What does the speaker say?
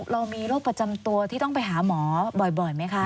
เรามีโรคประจำตัวที่ต้องไปหาหมอบ่อยไหมคะ